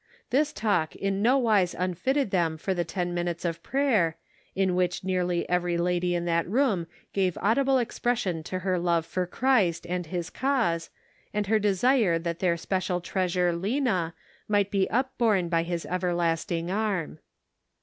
This talk in nowise unfitted them for the ten minutes of prayer, in which nearly every lady in that room gave audible expression to her love for Christ and his cause, and her desire that their special treasure Lena, might be upborne by his everlasting arm.